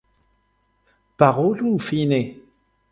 Parolu fine!